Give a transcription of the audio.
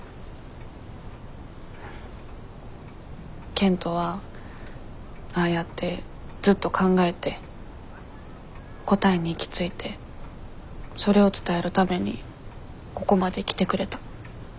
賢人はああやってずっと考えて答えに行き着いてそれを伝えるためにここまで来てくれた。